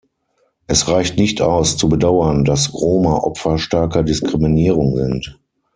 Es reicht nicht aus, zu bedauern, dass Roma Opfer starker Diskriminierung sind.